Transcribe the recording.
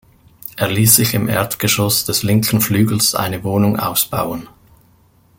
Er ließ sich im Erdgeschoss des linken Flügels eine Wohnung ausbauen.